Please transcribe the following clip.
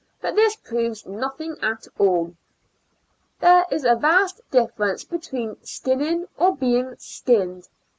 But this jDroves nothing at all. There is a vast difference between skin nino^ or beinoj skinned.